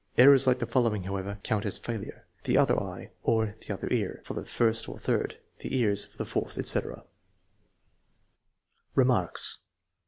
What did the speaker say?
Errors like the following, however, count as failure: " The other eye," or " The other ear " for the first or third; " The ears " for the fourth, etc. Remarks.